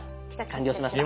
完了しました。